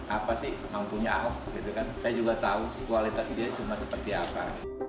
apa sih mempunyai ahok saya juga tahu kualitasnya cuma seperti apa